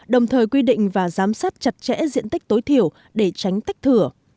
đồng thời quy định và giám sát chặt chẽ diện tích tối thiểu để tránh tách thửa